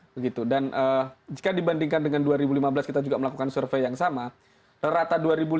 begitu dan jika dibandingkan dengan dua ribu lima belas kita juga melakukan survei yang sama rata dua ribu lima belas